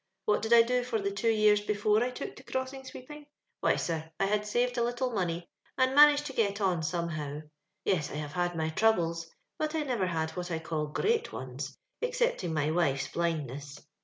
What did I do for the two years before I took to crossing sweepinj? ? \viiy, sir, I had saved a little money, and managed to get on somehow. Yes, I liave liad my troubles, but I never liad what I call P'reat ones, excepting my wife's blindness.